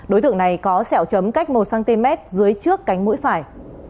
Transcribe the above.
đối tượng này có sẹo chấm cách một cm dưới trước cánh mũi phải